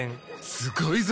すごいぞ！